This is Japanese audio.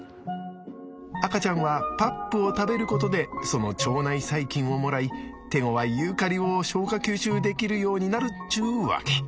赤ちゃんはパップを食べることでその腸内細菌をもらい手ごわいユーカリを消化吸収できるようになるっちゅうわけ。